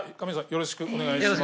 よろしくお願いします。